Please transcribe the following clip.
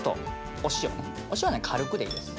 お塩はね軽くでいいです。